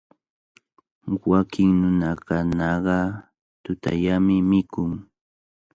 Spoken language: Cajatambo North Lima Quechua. Wakin nunakunaqa tutallami mikun.